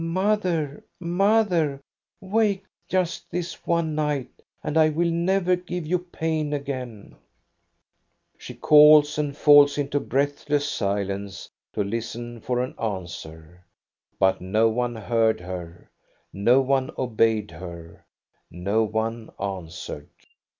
Mother, mother, wake just this one night, and I will never give you pain again !" She calls, and falls into breathless silence to listen for an answer. But no one heard her, no one obeyed her, no one answered.